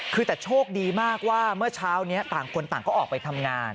คือแต่โชคดีมากว่าเมื่อเช้านี้ต่างคนต่างก็ออกไปทำงาน